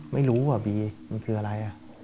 ไม่รู้ว่าบีมันคืออะไร